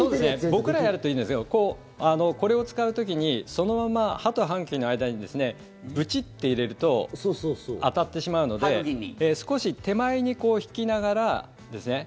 僕らやるといいんですけどこれを使う時にそのまま歯と歯茎の間にブチッて入れると当たってしまうので少し手前に引きながらですね。